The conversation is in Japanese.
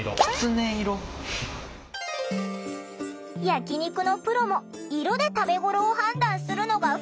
焼き肉のプロも色で食べごろを判断するのがふつう。